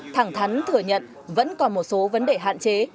thẳng thắn thừa nhận vẫn còn một số vấn đề hạn chế